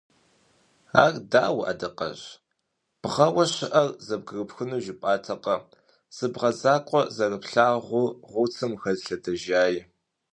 Ар дауэ, Адакъэжь, бгъэуэ щыӀэр зэбгырыпхуну жыпӀатэкъэ, зы бгъэ закъуэ зэрыплъагъуу гъурцым ухэлъэдэжай?